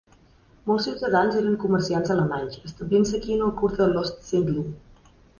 Molts ciutadans eren comerciants alemanys, establint-se aquí en el curs de l'"Ostsiedlung".